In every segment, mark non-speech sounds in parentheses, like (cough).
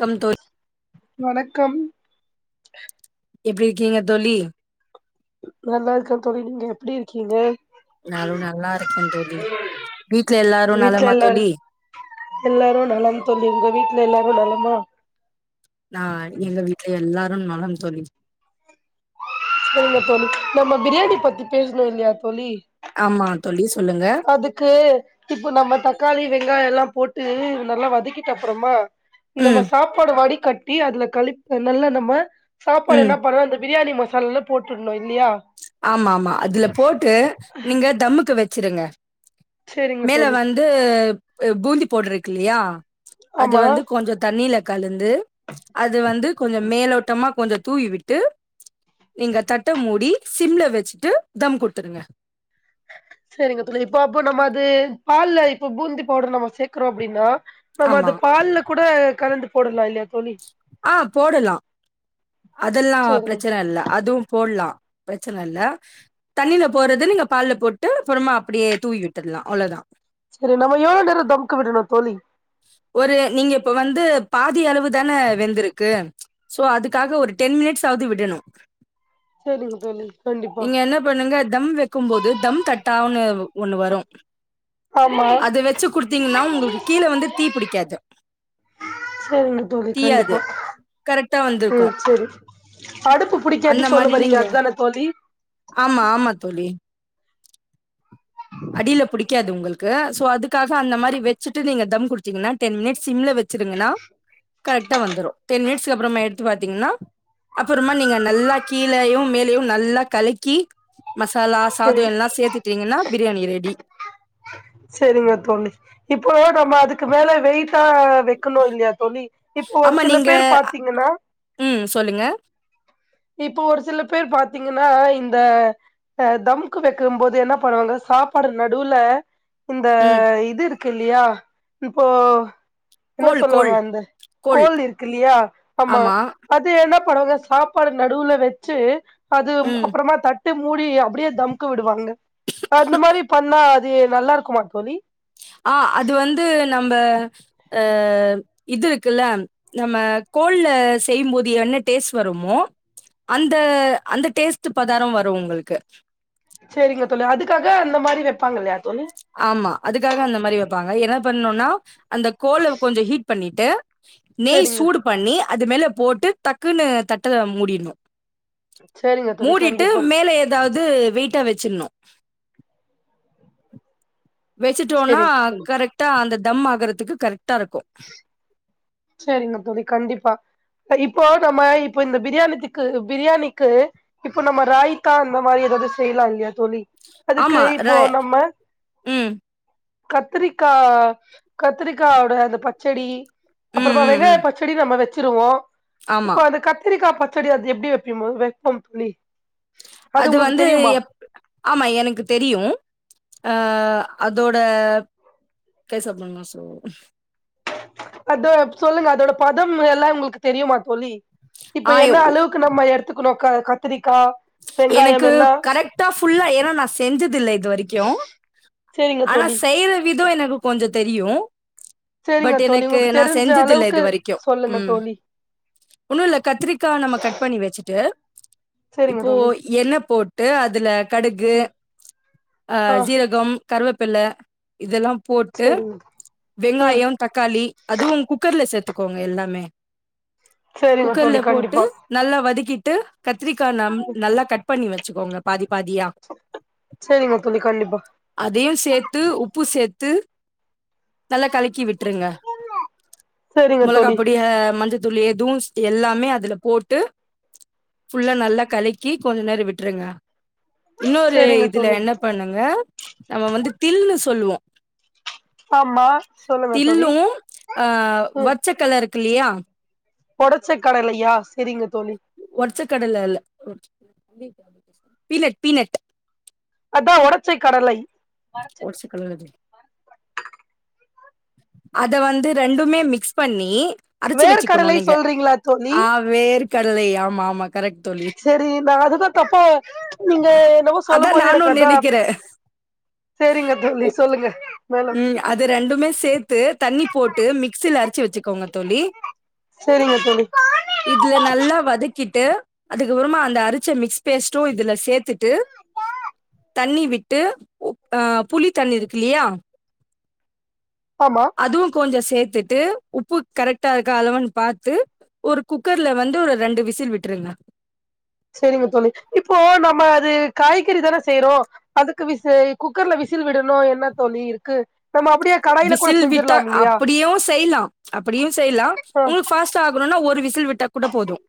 வணக்கம் தோழி வணக்கம் எப்டி இருக்கீங்க தோழி நல்லா இருக்கே தோழி நீங்க எப்டி இருக்கீங்க நானு நல்லா இருக்கே தோழி வீட்ல எல்லாரு வீட்ல நலமா எல்லாரு தோழி எல்லாரும் நலம் தோழி உங்க வீட் எல்லாரு நலமா நா எங்க வீட்ல எல்லா ம் நலம் தோழி சேரிங்க தோழி நம்ம பிரியாணி பத்தி பேசணு இல்லையா தோழி ஆமாங்க தோழி சொல்லுங்க அதுக்கு இப்ப நம்ம தக்காளி வெ ங்காய எல்லா போட்டு நல்லா வதக்கட்டு அப்புறமா நம்ம ம் சாப்பாடு வாடி கட் டி அதுல கலுவி நல்லா நம்ம சாப்பாடு ம் என்ன பண்ணுவோ அந்த பிரியாணி மசாலாலா போட்டுடணு இல்லையா ஆமா ஆமா அதுல போட்டு நீங்க தம்முக்கு வச் வச்சுருங்க சேரிங்க மேல தோழி வந்து பூந்தி பவுடரு இருக்கு இல்லையா அது ஆமா வந்து கொஞ்ச தண்ணில கலந் து வந்து கொஞ்ச மேலோட்டமா கொஞ்ச தூய்விட்டு நீங்க தட்ட மூடி சிம்ல வச்சுட்டு தம் கொடுத்துருங்க சேரிங்க இப்ப அப்போ நம்ம அது பால்ல இப்ப பூந்தி பவுடர் நம்ம சேர்க்கறோ அப்படின்னா நம்ம ஆமா அது பால்ல கூட கலந்து போடலா இல்லையா தோழி ஆ போடலா அதெல்லா சரிங்க பிரச்சன இல்ல அதுவு போட்லாமா பிரச்சன இல்ல தண்ணில போறது நீங்க பால் போட்டு அப்புறமா அப்படியே தூவி விட்டுதலா அவ்வளவதா சரி நம்ம எவ்ளோ நேரோ தம்க்கு விடணு தோழி ஒரு நீங்க இப்ப வந்து பாதி அளவு தானே வெந்தருக்கு சோ அதுக்காக ஒரு டென் மினிட்ஸ் ஆாவது விடணு சரிங்க தோழி கண்டிப்பா நீங்க என்ன பண்ணுங்க தம் வைக்கு போது தம் தட் டவுனு ஒண்ணு வரு ஆமா அது வச்சு குடுத்தீங்கன்னா உங்களுக்கு கீழே வந்து அது சரிங்க தோழி கண்டிப்பா கரெக்ட்டா ம் வந்திருக்கும். சேரி அடுப்பு பிடிக்கது அந்த சொல்ல மாரி வறீங்க நீங்க அதுதானா தோழி ஆமா, ஆமா தோழி. அடியில புடிக்காது உங்களுக்கு சோ அதுக்காக அந்த மாரி வச்சுட்டு நீங்க தம் டிங்னா டென் மினிட்ஸ் சிம்ல வெச்சுருங்கன்னா கரெக்டா வந்துரு டென் மினிட்ஸ்ல அப்புறமா எடுத்து பாத்தீங்கன்னா அப்புறமா நீங்க நல்லா கீழயும் மேலையும் நல்லா கலக்கி மசாலா சாதோ சரி எல்லா சேத்துட்டீங்கன்னா பிரியாணி ரெடி சேரிங்க தோழி இப்போ நம்ம அதுக்கு மேல வெயிட்டா வெக்கணு இல்லையா தோழி இப்ப ஒரு ஆமா சில நீங்க பேர் பாத்தீங்கன்னா ம் சொல்லுங்க இப்போ ஒரு சில பேர் பாத்தீங்கன்னா இந்த அ தம்முக்கு வெக்கும் போது என்ன பண்ணுவாங்க சாப்பாடு நடுவுல இந்த ம் இது இருக் இருக்கு இல்லையா இப்போ என்ன கோல் சொல்லுவாங்க கோல் அந்த கோல் இருக்கு இல்லையா ஆம்மா ஆமா அது என்னாப் போடவே சாப் பாட நடுவுல வெச்சு அது ம் அப்புறமா தட் டு மூடி அப்புடியே தம்க்கு விடுவாங்க அந்த மாரி பண்ணா அது நல்லா இருக்குமா தோழி ஆ அது வந்து நம்ப அ இது இருக்குல்ல நம்ம கோல்ல செய்யும்போது என்ன டேஸ்ட் வருமோ அந்த அந்த டேஸ்ட் பதாரம் வரும் உங்களுக்கு சேரிங்க தோளி அதுக்காக அந்த மாரி வெப்பாங்க இல்லையா தோழி ஆமா அதுக்காக அந்த மாரி வெப்பாங்க என்ன பண்ணுன்னா அந்த கோல கொஞ்சோ ஹீட் பண்ணிட்டு நீ சேரிங்க சூடு பண்ணி அது மேல போட்டு டக்குன்னு தட்டத மூடிணு சேரிங்க தோழி மூடிட்டு கண்டிப்பா மேல எதாவது வெயிட்டா வெச்சுருனு வெச்சுட்டோன்னா சேரிங்க தோழி கரெக்டா அந்த தம் ஆகுறதுக்கு கரெக்டா இருக்கு சேரிங்க தோழி கண்டிப்பா இப்போ நம்ம இப்ப இந்த பிரியாணித்துக்கு பிரியாணிக்கு இப்போ நம்ம ரைத்தா அந்த மாரி எதாவது செய்லா இல்லையா தோழி அதுக்கு ஆமா ர இப்போ நம்ம ம் கத்திரிக்கா கத்திரிக்காயோட அந்த பச்சடி ம் அப்புறமா ம் வெங்காய ம் பச்சடி நம்ம வெச் வச்சுருவோ ஆமா இப்ப அது கத்திரிக்காப் பச்சடி அது எப்டி வெப்பீம்மோ வெப்பம் தோழி அது உங்களுக்கு வந்து தெரியுமா எப் ஆமா எனக்கு தெரியு அ அதோட பேச போன்னா சோ அத சொல்லுங்க அதோட பதம் எல்லா உங்களுக்கு தெரியுமா தோழி இப்ப ஆ என்ன எ- அளவுக்கு நம்ம எடுத்துக்கணுக்கா கத் எனக்கு கரெக்டா ஃபுல்லா ஏன்னா நா செஞ்சது இல்ல இது வரைக்கு சேரிங்க ஆனா தோழி செய்யற விதம் எனக்கு கொஞ்ச தெரியு சேரிங்க பட் தோழி எனக்கு உங்களுக்கு நா தெரிஞ்ச செஞ்சத இல்ல அளவுக்கு இது வரைக்கு சொல்லுங்க ம் தோழி ஒன்னும் இல்ல கத்திரிக்கா நம்ம கட் பண்ணி வச்சுட்டு சேரிங்க இப்போ தோழி என்னப் போட்டு அதுல கடுகு ம் ஆ சீரகம் கருவேப்பில இதெல்லா போட்டு சேரிங்க ம் வெங்காய தக்காளி அதுவும் குக்கர்ல சேத்துக் இருக்கோங்க எல்லாமே சேரிங்க குக்கர்ல தோழி போட்டு கண்டிப்பா நல்லா வதக்கிட் போட்டு கத்திரி கா நம் நல்லா கட் பண்ணி வ வச்சிக்கோங்க பாதி பாதியா சேரிங்க தோழி கண்டிப்பா அதையு சேத்து உப்பு சேத் து நல்ல கலக்கி விட் ருங்க சேரிங்க மொளகா தோழி பொடி ஆ மஞ்ச இதுல எதுவு எல்லாமே அதுல போட்டு ஃபுல்ல நல்லா கலக்கி கொஞ்ச நேரம் விட்டுருங்க இன்னொரு சேரிங்க இதுல தோழி என்ன பண்ணுங்க நம்ம வந்து தில்ன்னு சொல்லுவோ ஆமா சொல்லுங்க தோழி தில்லு ஆ வச்ச கல இருக் (unintelligible) உடைச்ச கடலையா சேரிங்க தோழி உடைச்ச கடலல்வ பி பீனட் பீனட் அதா உடச்ச கடலை (unintelligible) அத வந்து ரெண்டுமே மிக்ஸ் பண்ணி அரச்சு வேர்க வச்சுக்கணு கடலை சொல்றீங்களா தோழி கடலை ஆமா ஆமா கரெக்ட் தோழி சேரி நா அதுதா தப்ப நீங்க என்னமோ சொல்லு அதா போது நானு எனக்கு அதா நெனைக்கிறே செரிங்க தோழி சொல்லுங்க நலம் ம் அது ரெண்டுமே சேத்து தண்ணி போட்டு மிக்சில அரைச்சி வச்சுக்கோங்க தோழி சேரிங்க தோழி ட்டு அதுக்கப்பறமா அந்த அரச்ச மிக்ஸ் பேஸ்ட்டு இதுல சேத்துட்டு தண்ணி விட்டு ஆ புளி தண்ணி இருக்குல்லயா. ஆமா அதுவும் கொஞ்சோ ஸ் சேர்த்துட்டு உப்பு கரெக்டா இருக்க அளவுன்னு பாத்து ஒரு குக்கர்ல வந்து ஒரு ரெண்டு விசில் விட்டுருங்க சேரிங்க தோழி இப்போ நம்ம அது காய்கறி தான செய்யறோ அதுக்கு விசு குக்கர்ல விசில் விடணு என்ன தோழி இருக்கு நம்ம அப்டியே கடாயில கூட விசில் விட்டா செஞ்சிர்லாம் இல்லையா அப்பிடியு செய்யலா அப்பிடியு செய்யலா உங்ளுக் பாஸ்ட ஆகணுன்னா ஒரு விசில் விட்டா கூட போதும்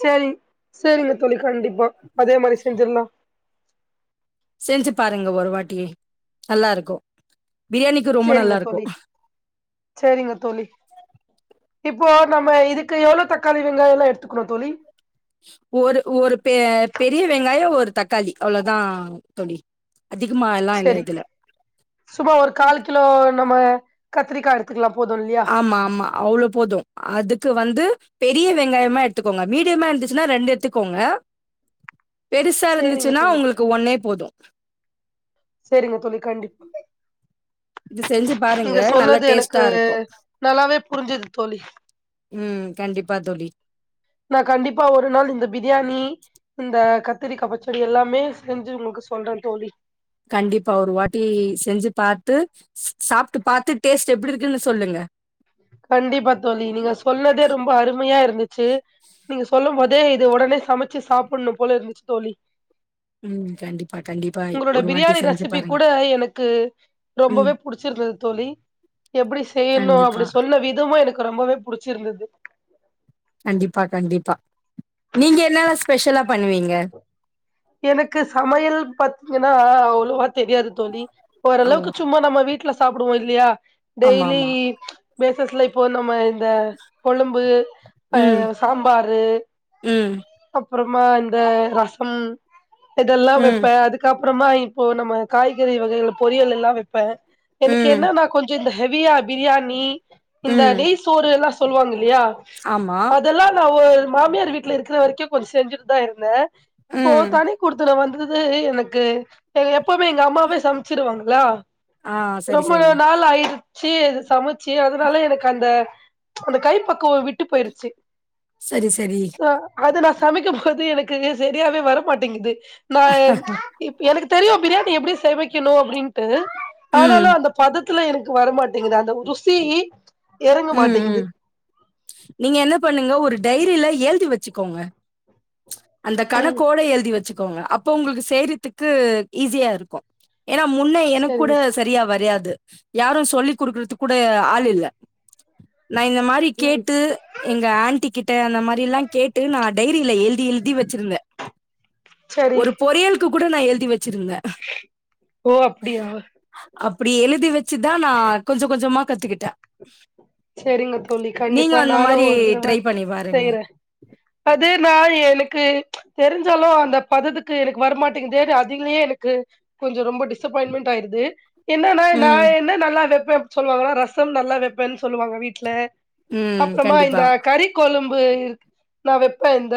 சேரிங் சேரிங்க தோழி கண்டிப்பா அதே மாரி செஞ்சிரலா செஞ்சி பாருங்க ஒரு வாட்டி நல்லா இருக்கு சேரிங்க தோழி சேரிங்க தோழி இப்போ நம்ம இதுக்கு எவ்ளோ தக்காளி வெங்காயேல்லா எடுத்துக்கணு தோழி ஒரு ஒரு பெ பெரிய வெங்காயோ ஒரு தக்காளி அவ்ளதா தோழி அதிகமா எல்லாம் இல்லை சேரி இதுல சும்மா ஒரு கால் கிலோ நம்ம கத்திரிக்கா எடுத்துக்கலாம் ஆமா ஆமா அவ்ளோ போது அதுக்கு வந்து பெரிய வெங்காயமா எடுத்துக்கோங்க மீடியமா இருந்துச்சுன்னா ரெண்டு எடுத்துக்கோங்க பெருசா சேரிங்க இருந்துச்சுன்னா தோழி உங்களுக்கு ஒன்னே போது சேரிங்க தோழி கண்டிப் இது செஞ்சு பாருங்க நீங்க நல்லா சொன்னது எனக்கு டேஸ்டா இருக்கும் நல்லாவே புரிஞ்சது தோழி ம் கண்டிப்பா தோழி நா கண்டிப்பா ஒரு நாள் இந்த பிரியாணி இந்த கத்திரிக்கா பச்சடி எல்லாமே செஞ்சி உங்களுக்கு சொல்றே தோழி கண்டிப்பா ஒரு வாட்டி செஞ்சி பாத்து சாப்புட்டு பாத்து டேஸ்ட் எப்பிடி இருக்குன்னு சொல்லுங்க கண்டிப்பா ச்சி நீங்க சொல்லு போதே இது உடனே சமைச்சி சாப்பிடணு போல இருந்துச்சி தோழி ம். கண்டிப்பா, கண்டிப்பா. உங்களோட ஒரு வாட்டி பிரியாணி செஞ்சு ரெசிபி பாருங்க. கூட எனக்கு ம். ரொம்பவே புடிச்சிருந்தது தோழி எப்பிடி செய்யணு கண்டிப்பா, அப்பிடி சொ விதமும் எனக்கு ரொம்பவே புடிச்சிருந்தது கண்டிப்பா கண்டிப்பா நீங்க என்னால ஸ்பெஷலா பண்ணுவீங்க எனக்கு சமையல் பாத்தீங்கன்னா அவ்வளவா தெரியாது தோழி ஓ! ஓரளவுக்கு சும்மா நம்ம வீட் ட்ல சாப்டுவோ இல்லையா டெய்லி ஆமாமா. பேசஸ்ல இப் போ நம்ம இந் இந்த கொழும்பு அ ம், சாம்பாரு ம், அப் அப்புறமா இந்த ரசம் இதெல்லா வெப்ப ம், அதுக்கப் அப்புறமா இப்போ நம்ம காய்கறி வகைகள பொரியல் எல்லா வெப்ப எனக்கு ம், என்ன நா கொஞ்சோ இந்த ஹெவியா பிரியாணி இந்த ம். நெய் சோறு எல்லாஸ் சொல்லுவாங்க இல்லையா ஆமா. அதெல்லா நா ஒர் மாமியார் வீட்ல இருக்குற வரைக்கு கொஞ்சோ செஞ்சுட்டு தா இருந்த இப்போ ம். தனி குடுத்தனம் வந்தது இருந்து எனக்கு எ எப்போமே எங்க அம்மாவே சமச்சுருவாங்களா ஆ சரி, ரொம்ப சரி. நாள் ஆயிட்ருக் ச்சீ அது சமச் ச்சு அதனால எனக்கு அந்த அந்த கை பக்குவோ விட்டு போயிருச்சு சரி, சரி. சா அது நா சமைக்கும் போது எனக் க்குங்க செரியாவே வர மாட்டேங்குது நா இப்ப எனக்கு தெரியு பிரியாணி எப்டி சமைக்கணு அப்டின்ட்டு ஆனாலு ம், அந்த பதத் த்துல எனக்கு வரமாட்டேங்குது அந்த ருசி எறங்க ம் மாட்டேங்குது ம் நீங்க என்ன பண்ணுங்க ஒரு டைரியில எழுத் ட்டு வெச்சுக்கோங்க அந்த ம் கணக்கோட எழுதி வெச்சு கோங்க அப்ப உங்களுக்கு செய்றதுக்கு ஈஸியா இருக்கு ஏன்னா முன்ன எனக்கு கூட சரிங்க சரியா வரையாது யாரும் சொல்லி் கொடுக்குறது கூட ஆள் இல்ல நான் இந்த மாதிரி ம் கேட்டு எங்க ஆண்டி கிட்ட அந்த மாதிரி எல்லாம் கேட்டு நான் டைரியல எழுதி எழுதி வச்சிருந்தேன் சரி ஒரு பொறியல் கூட நான் எழுதி வ ஓ அப்டியா அப்படி எழுத் எழுதி வச்சுதான் நான் கொஞ்சம் கொஞ்சமா கத்துக்கிட்டேன் ஹ சரிங்க தோழி கண்டிப்பா நானும் மாரி ஒரு தடவை ட்ரை பண்ணி பாருங்க. செய்றேன் அது நான் எனக்கு தெரிஞ்சாலும் அந்த பதத்துக்கு எனக்கு வரமாட்டேங்குதே அதுலயே எனக்கு கொஞ்சம் ரொம்ப டிசப்பாயிண்ட்மெண்டட் ஆயிருது என்னன்னா ம். நான் என்ன நல்லா வைப்பேன் சொல்லுவாங்கன்னா ரசம் நல்லா வைப்பேன் சொல்லுவாங்க வீட்டுல ம். அப்புறமா இந்த கண்டிப்பா. கறிக்கொழம்பு நான் வைப்பேன் இந்த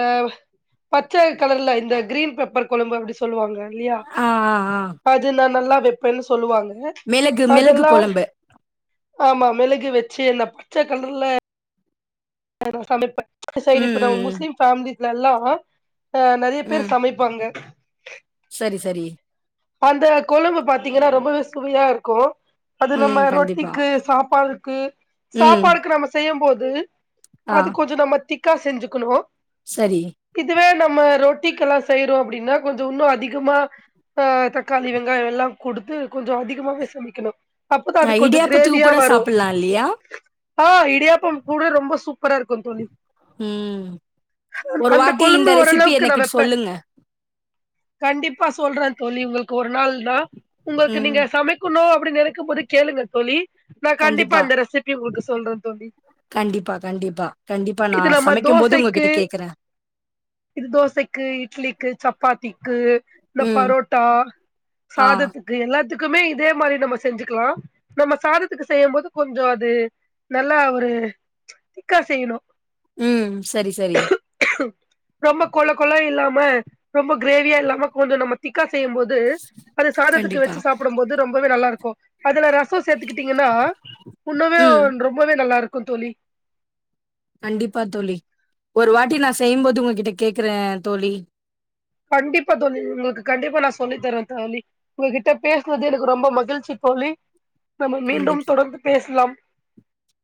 பச்சை கலர்ல இந்த கிரீன் பெப்பர் கொழம்பு அப்படி சொல்லுவாங்கள இல்லையா ஆ, ஆ, ஆ. அது நா நல்லா வப்பென்னு சொல்லுவாங்க மிளகு மிளகு அதெல்லா கொழம்பு ஆமா மிளகு வச்ச வச்சி என்ன பச்சை கலர்ல அதான் சமைப்ப சைடூ ம், இப்ப நம்ம ம், ம். முஸ்லிம் பெமிலி முன்னல்லாம் ஆ நிறைய பேர் ம். சமைப்பாங்க சரி சேரி அந்த கொழம்பு பாத்தீங்கன்னா ரொம்பவே சுவையா இருக்கும் அது ம். நம்ம கண்டிப்பா. ரொட்டிக்கு சாப்பாடுக்கு ம். சாப்பாடுக்கு நம்ம செய்யும்போது உ அது கொஞ்சோ நம்ம திக்க திக்கா செஞ்சிகணு சேரி நம்ம ரொட்டிக்கல்லா செய்யறோ அப்படின்னா கொஞ்ச இன்னோ அதிகமா ஆ தக்காளி வெங்காய எல்லா கொடுத்து கொஞ்ச அதிகமாவே சமைக்கணு அப்பதா ஆ அது கொஞ்சோ இடியாப்பத்துக்கு கிரேவியா கூட வரு சாப்பிடலா இல்லையா ஆ இடியாப்பம் கூட ரொம்ப சு சூப்பர இருக்கு தோழி ம். அ ஒரு அந்த வாட்டி இந்த கொழும்பு ரெசிபி ஓரளவுக்கு நா எனக்கு வைப்பே சொல்லுங்க. கண்டிப்பா சொல்றே தோழி உங்களுக்கு ஒரு நாள் தா உங்களுக்கு ம். நீங்க சமைக்கநொ அப்டி நினைக்கு போது கேளுங்க தோழி நா கண்டிப்பா அந்த ரெசிபி உங்களுக்கு சே சொல்றே தோழி கண்டிப்பா கண்டிப்பா கண்டிப்பா நா இது நம்ம சமைக்கும் போது தோசைக்கு உங்ககிட்ட கேக்குறே காத்திக்கு இந்த பாரோ அ ஆ. சாததுக்கு எல்லா எல்லத்துக்குமே இதே மாரியே நம்ம செஞ்சுக்கலா நம்ம சாதத்துக்கு செய்யும் போது கொஞ்ச அது நல்லா ஒரு திக்கா செய்யணு ம் சேரி சேரி ம் ரொம்ப கொல கொலா இல்லாம ரொம்ப கிரேவியா இல்லாம கொஞ்ச நம்ம திக் செய்யு போது அது சாதத்துக்கு கண்டிப்பா. வச்சு சாப்பிடு போது ரொம்பவே நல்லா இருக்கு அதுல ரசம் சேர்த்துக்கிட்டீங்கன்னா ஒன்னுமே ம். ரொம்பவே நல்லா இருக் இக்கு தோழி கண்டிப்பா தோழி ஒரு வாட்டி நா செய்யும்போது உங்க கிட்ட கேக்குறே தோழி கண்டிப்பா தோழி உங்களுக்கு கண்டிப்பா நா சொல்லி தரேன் தோழி உங்ககிட்ட பேசினது எனக்கு ரொம்ப மகிழ்சி தோழி நம்ம மீண்டும் கண்டிப் தொடர்ந்து பேசலாம்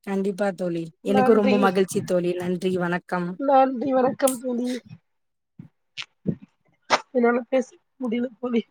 கண்டிப்பா தோழி எனக்கும் ரொம்ப நன்றி மகிழ்ச்சி தோழி நன் ன்றி வணக் நன்றி வணக்கம் தோழி என்னால பேச முடியல தோழி